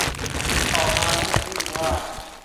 ต่อมาได้ชื่อว่า